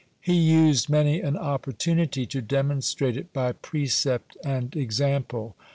He used many an opportunity to demonstrate it by precept and example.